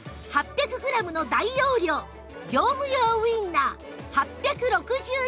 ８００グラムの大容量業務用ウインナー８６２円